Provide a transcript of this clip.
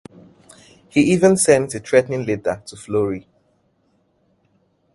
He even sends a threatening letter to Flory.